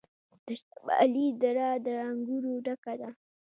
د شمالی دره د انګورو ډکه ده.